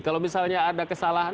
kalau misalnya ada kesalahan